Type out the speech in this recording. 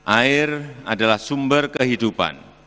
air adalah sumber kehidupan